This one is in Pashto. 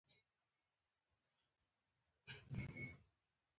سکاره لا هم د ډېرو هېوادونو لپاره مهمه انرژي سرچینه ده.